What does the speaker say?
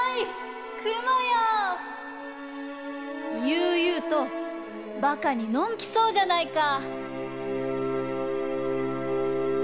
ゆうゆうと馬鹿にのんきそうじゃないか。